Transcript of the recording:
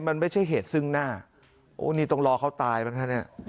มันไม่ใช่เหตุซึ่งหน้าโอ้นี่ต้องรอเขาตายบ้างคะเนี่ย